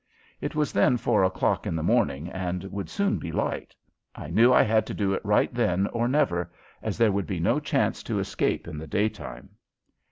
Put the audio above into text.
It was then four o'clock in the morning and would soon be light. I knew I had to do it right then or never, as there would be no chance to escape in the daytime.